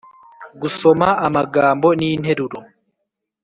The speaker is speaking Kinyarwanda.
-gusoma amagambo n’interuro